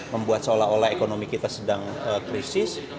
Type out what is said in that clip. membuat seolah olah ekonomi kita sedang krisis